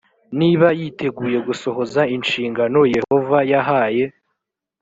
niba yiteguye gusohoza inshingano yehova yahaye